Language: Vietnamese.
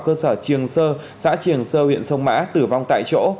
cơ sở triển sơ xã triển sơ huyện sông mã tử vong tại chỗ